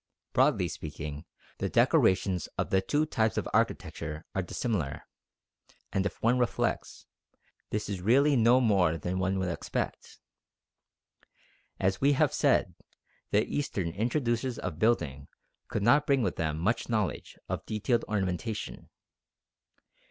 Broadly speaking, the decorations of the two types of architecture are dissimilar; and if one reflects, this is really no more than one would expect. As we have said, the Eastern introducers of building could not bring with them much knowledge of detailed ornamentation.